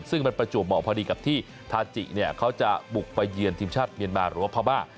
ซึ่งมันประจวบเหมาะพอดีกับที่ทาจิเนี่ยเขาจะบุกไปเยือนทีมชาติเมียนมาหรือว่าพม่า